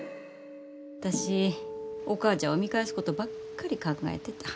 私お母ちゃんを見返すことばっかり考えてた。